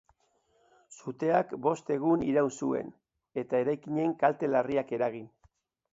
Suteak bost egun iraun zuen, eta eraikinean kalte larriak eragin.